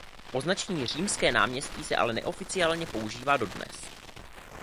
Označení Římské náměstí se ale neoficiálně používá dodnes.